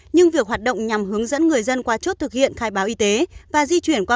nhưng việc hoạt động nhằm hướng dẫn người dân qua chốt thực hiện khai báo y tế và di chuyển qua